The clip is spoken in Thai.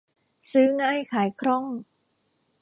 ซื้อง่ายขายคล่อง